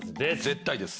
絶対です。